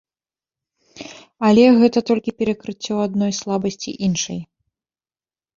Але гэта толькі перакрыццё адной слабасці іншай.